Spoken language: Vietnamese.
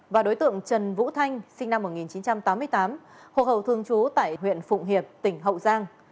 và đối tượng trần vũ thanh sinh năm một nghìn chín trăm tám mươi tám hộ khẩu thường chú tại huyện phụng hiệp tỉnh hậu giang